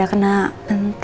aku mau pergi